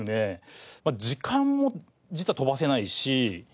時間も実は飛ばせないし